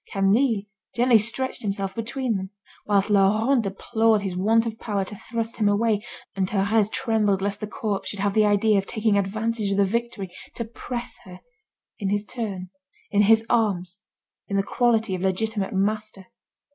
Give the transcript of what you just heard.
Camille gently stretched himself between them, whilst Laurent deplored his want of power to thrust him away, and Thérèse trembled lest the corpse should have the idea of taking advantage of the victory to press her, in his turn, in his arms, in the quality of legitimate master.